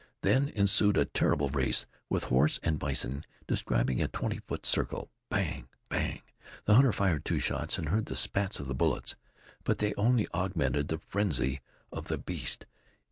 Then ensued a terrible race, with horse and bison describing a twenty foot circle. Bang! Bang! The hunter fired two shots, and heard the spats of the bullets. But they only augmented the frenzy of the beast.